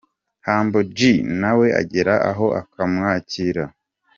Humble G na we agera aho akamwakira.